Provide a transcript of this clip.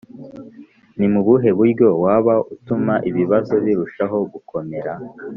Ni mu buhe buryo waba utuma ibibazo birushaho gukomera